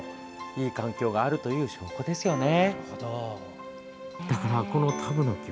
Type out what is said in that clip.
いい環境があるという証拠ですよね。